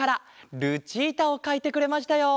ルチータをかいてくれましたよ。